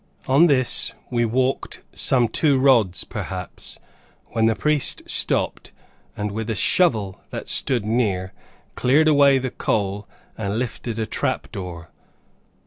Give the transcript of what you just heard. On this we walked some two rods, perhaps, when the priest stopped, and with a shovel that stood near cleared away the coal and lifted a trap door.